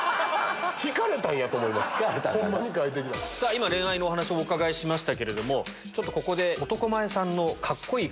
今恋愛のお話をお伺いしましたけれどもここで。